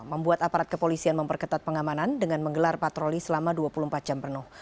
membuat aparat kepolisian memperketat pengamanan dengan menggelar patroli selama dua puluh empat jam penuh